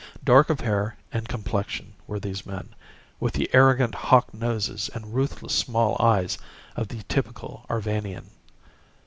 Dark of hair and complexion were these men, with the arrogant hawk noses and ruthless small eyes of the typical Arvanian.